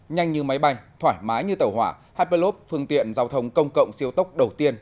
nhanh như máy bay thoải mái như tàu hỏa hyperlov phương tiện giao thông công cộng siêu tốc đầu tiên